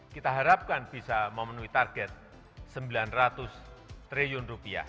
kita harapkan bisa memenuhi target rp sembilan ratus triliun